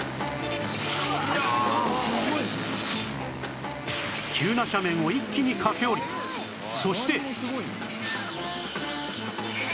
「いやあすごい」急な斜面を一気に駆け下りそして